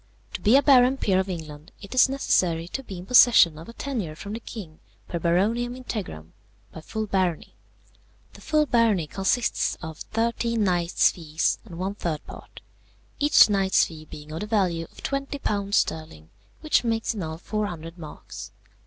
To be a baron peer of England, it is necessary to be in possession of a tenure from the king per Baroniam integram, by full barony. The full barony consists of thirteen knights' fees and one third part, each knight's fee being of the value of £20 sterling, which makes in all 400 marks.